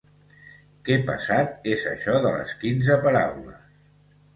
Que pesat és això de les quinze paraules!